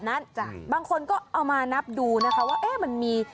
เอ้อมันจะนับนับทำไม